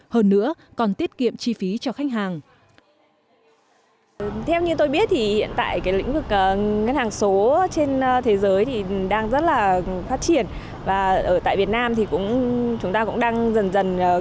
hơn nữa còn tiết kiệm chi phí cho khách hàng